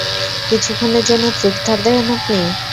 কিছুক্ষণের জন্য চুপ থাকবেন আপনি?